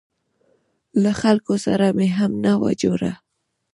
له خلکو سره مې هم نه وه جوړه.